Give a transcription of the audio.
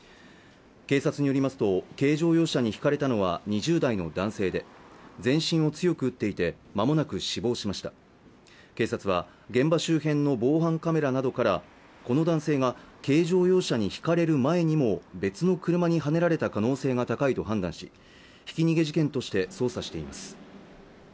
警察によりますと軽乗用車にひかれたのは２０代の男性で全身を強く打っていてまもなく死亡しました警察は現場周辺の防犯カメラなどからこの男性が軽乗用車にひかれる前にも別の車にはねられた可能性が高いと判断しひき逃げ事件として捜査しています